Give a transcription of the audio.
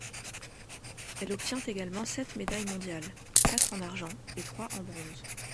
Elle obtient également sept médailles mondiales, quatre en argent et trois en bronze.